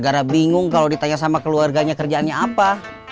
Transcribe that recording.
gara bingung kalau ditanya sama keluarganya kerjaannya apa